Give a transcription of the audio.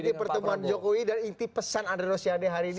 inti pertemuan jokowi dan inti pesan andre rosiade hari ini